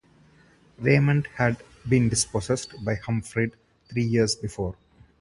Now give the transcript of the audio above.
Raymond had been dispossessed by Humfrid three years before.